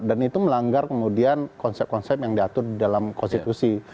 dan itu melanggar kemudian konsep konsep yang diatur dalam konstitusi